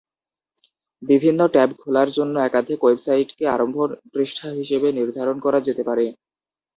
বিভিন্ন ট্যাবে খোলার জন্য একাধিক ওয়েবসাইটকে আরম্ভ পৃষ্ঠা হিসেবে নির্ধারণ করা যেতে পারে।